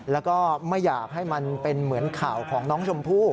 แล้วก็ไม่อยากให้มันเป็นเหมือนข่าวของน้องชมพู่